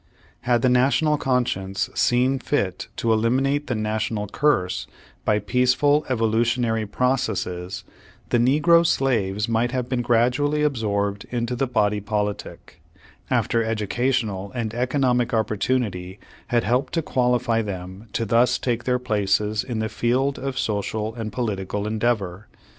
Had the National conscience seen fit to elim inate the National curse by peaceful evolutionary processes, the negro slaves might have been grad ually absorbed into the body politic, after educa tional and economic opportunity had helped to qualify them to thus take their places in the field of social and political endeavor.